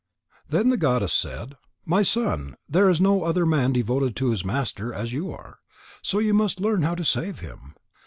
Then the goddess said: "My son, there is no other man devoted to his master as you are: so you may learn how to save him.